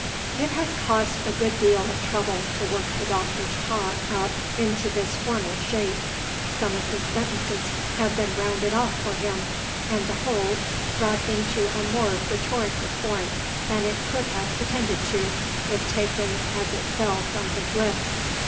It has cost a good deal of trouble to work the Doctor's talk up into this formal shape. Some of his sentences have been rounded off for him, and the whole brought into a more rhetorical form than it could have pretended to, if taken as it fell from his lips.